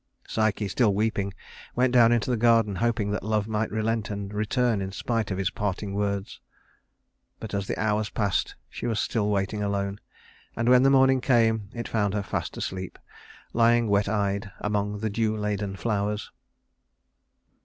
Psyche, still weeping, went down into the garden, hoping that Love might relent and return in spite of his parting words; but as the hours passed she was still waiting alone, and when the morning came it found her fast asleep, lying wet eyed among the dew laden flowers.